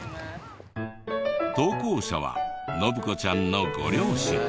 投稿者は洵子ちゃんのご両親。